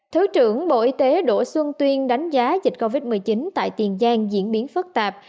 thứ trưởng bộ y tế đỗ xuân tuyên đánh giá dịch covid một mươi chín tại tiền giang diễn biến phức tạp